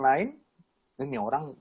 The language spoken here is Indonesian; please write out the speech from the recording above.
lain ini orang